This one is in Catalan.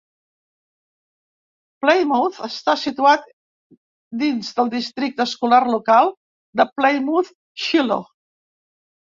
Plymouth està situat dins del districte escolar local de Plymouth-Shiloh.